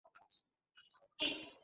আমি বাম দিকে!